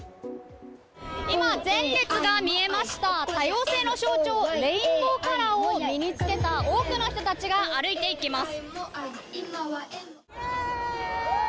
今、前列が見えました、多様性の象徴レインボーカラーを身に付けた多くの人たちが歩いて行きます。